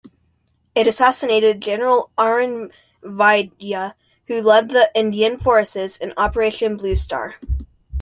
It assassinated General Arun Vaidya, who led the Indian forces in Operation Blue Star.